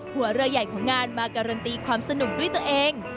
หัวเรือใหญ่ของงานมาการันตีความสนุกด้วยตัวเอง